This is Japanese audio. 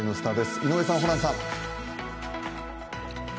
井上さん、ホランさん。